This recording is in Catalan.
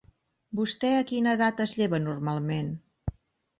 Vostè a quina edat es lleva normalment?